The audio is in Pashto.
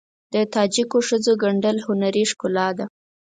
د تاجکو ښځو ګنډل هنري ښکلا ده.